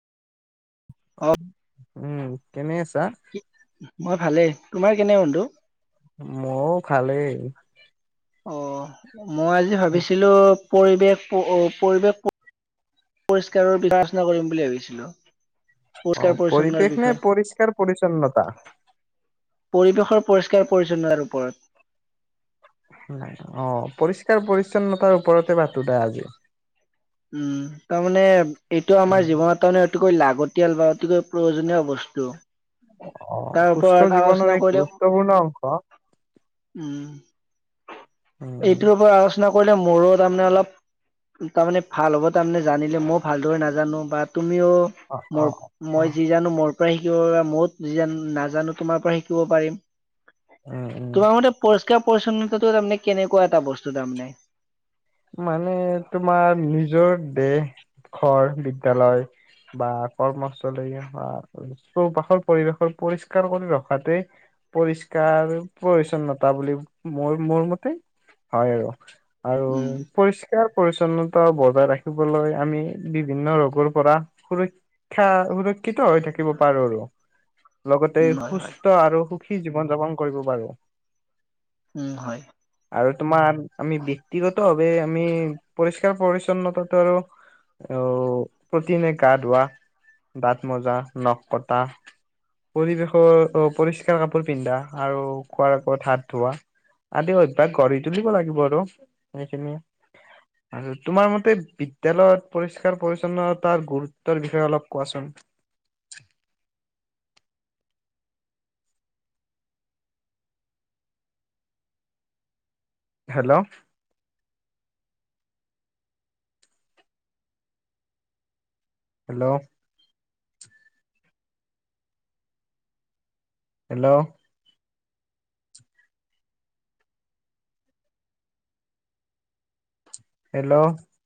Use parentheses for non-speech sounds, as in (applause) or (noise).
অ (unintelligible) উম, কেনে আছা? (unintelligible) মই ভালেই, তোমাৰ কেনে বন্ধু? মইওঁ ভালেই। অ মই আজি ভাবিছিলো। পৰিবেশ পৰিৱেশ, পৰিষ্কাৰৰ বিবেচনা কৰিম বুলি ভাবিছিলো। অ পৰিষ্কাৰ পৰিচ্ছন্নৰ পৰিৱেশ নে? বিষয়ে পৰিষ্কাৰ পৰিচ্ছন্নতা। পৰিৱেশৰ পৰিষ্কাৰ পৰিচ্ছন্নতাৰ ওপৰত। অ পৰিষ্কাৰ পৰিচ্ছন্নতাৰ ওপৰতে পাতো দে আজি। উম তাৰমানে। এইটো আমাৰ জীৱনত (inaudible) অতিকৈ লাগতিয়াল বা অতিকৈ প্ৰয়োজনীয় বস্তু। অ', তাৰ সুস্থ ওপৰত জীৱনৰ আলোচনা এক কৰিলেও গুৰুত্বপূৰ্ণ অংশ। উম উম, এইটোৰ ওপৰত আলোচনা। কৰিলে মোৰো তাৰ মানে অলপ তাৰ মানে ভাল হ'ব তাৰমানে জানিলে ময়ো ভালদৰে নাজানো বাট। তুমিও অ', মোৰ অ'। মই অ', যি জানো মোৰ পৰা শিকিব পাৰিবা। মত যি নাজানো তোমাৰ পৰা শিকিব পাৰিম। উম, উম। তোমাৰ মতে পচ। শিকা পৰিচ্ছন্নতাটো তাৰমানে কেনেকুৱা এটা বস্তু তাৰমানে? মানে তোমাৰ। নিজৰ দেহ ঘৰ বিদ্য়ালয় বা কৰ্মস্থলী চৌপাশৰ পৰিৱেশৰ পৰিষ্কাৰ কৰি ৰখাতে পৰিষ্কাৰ প্ৰ্ছন্নতা বুলি মোৰ মোৰ মতে হয় আৰু। আৰু উম। পৰিষ্কাৰ পৰি্ছন্নতা বজাই ৰাখিবলৈ, আমি বিভিন্ন ৰোগৰ পৰা সুৰক্ষা সুৰক্ষিত হৈ থাকিব পাৰো আৰু। লগতে উম হয় হয় সুস্থ আৰু স সি জীৱন যাপন কৰিব পাৰো। উম হয়। আৰু তোমাৰ আমি ব্যক্তিগত। আমি পৰিষ্কাৰ পৰিছন্নতাটো আৰু, আহ প্ৰতিদিনে গা ধোৱা, দাঁত মজা, নখ কটা পৰিৱেশৰ পৰিষ্কাৰ কাপোৰ পিন্ধা আৰু খোৱাৰ আগত হাত ধোৱা আদি অভ্যাস গঢ়ি তুলিব লাগিব আৰু। সেইখিনিয়ে। আৰু তোমাৰ মতে, বিদ্যালয়ত পৰিস্কাৰ পৰিছন্নতাৰ গুৰুত্বৰ বিষয়ে অলপ কোৱাচোন। হেল্ল'। হেল্ল'। হেল্ল'। হেল্ল'।